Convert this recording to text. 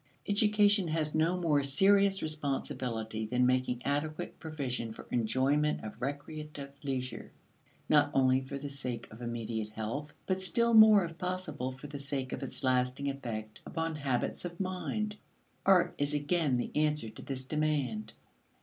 Education has no more serious responsibility than making adequate provision for enjoyment of recreative leisure; not only for the sake of immediate health, but still more if possible for the sake of its lasting effect upon habits of mind. Art is again the answer to this demand.